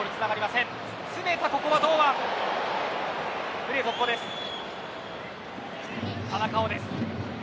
プレー続行です。